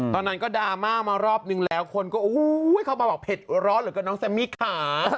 ตอนนั้นก็ดราม่ามารอบนึงแล้วคนก็เข้ามาบอกเผ็ดร้อนเหลือเกินน้องแซมมี่ค่ะ